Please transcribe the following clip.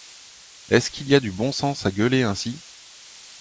Est-ce qu’il y a du bon sens à gueuler ainsi?